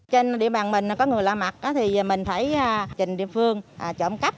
trên địa bàn mình có người la mặt thì mình phải trình địa phương trộm cắp